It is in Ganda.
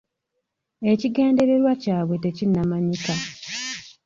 Ekigendererwa kyabwe tekinnamanyika.